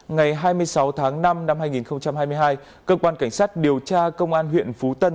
ngày hai mươi sáu tháng năm năm hai nghìn hai mươi hai cơ quan cảnh sát điều tra công an huyện phú tân